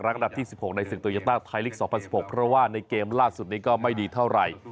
อันดับที่๑๖ในศึกโตโยต้าไทยลีก๒๐๑๖เพราะว่าในเกมล่าสุดนี้ก็ไม่ดีเท่าไหร่